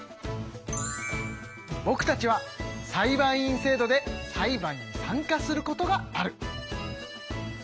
ぼくたちは裁判員制度で裁判に参加することがある。